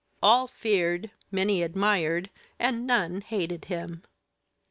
All feared, many admired, and none hated him.